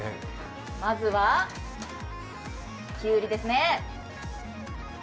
まずは、キュウリですね。